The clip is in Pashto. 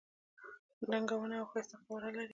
دنګه ونه او ښایسته قواره لري.